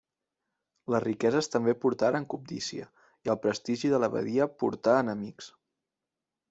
Les riqueses també portaren cobdícia, i el prestigi de l'abadia portà enemics.